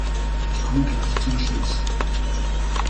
Ich komme gleich zum Schluss.